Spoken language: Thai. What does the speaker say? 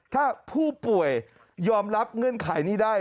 ถ้าผู้ป่วยยอมรับเงื่อนไขนี้ได้